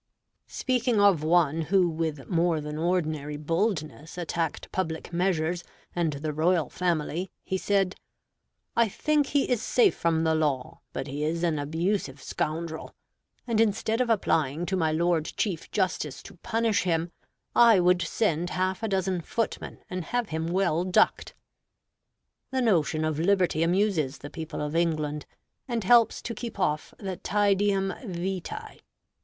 Speaking of one who with more than ordinary boldness attacked public measures and the royal family, he said, "I think he is safe from the law, but he is an abusive scoundrel; and instead of applying to my Lord Chief Justice to punish him, I would send half a dozen footmen and have him well ducked." "The notion of liberty amuses the people of England, and helps to keep off the tædium vitæ.